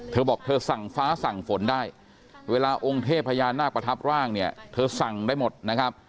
เธอบอกเธอสั่งฟ้าสั่งฝนได้เวลาองค์เทพพญานาคประทับร่างเนี่ยเธอสั่งได้หมดนะครับ